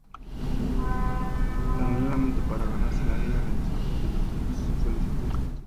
Paralelamente, para ganarse la vida, realizó otros diversos servicios sexuales antes descritos.